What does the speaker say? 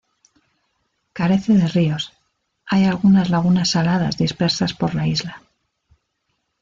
Carece de ríos; hay algunas lagunas saladas dispersas por la isla.